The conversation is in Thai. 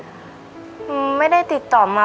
แพนด้วย